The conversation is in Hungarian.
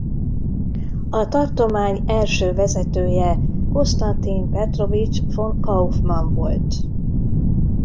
A tartomány első vezetője Konstantin Petrovics Von Kaufman volt.